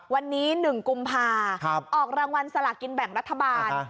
วันนี้๑กุมภาออกรางวัลสลากินแบ่งรัฐบาล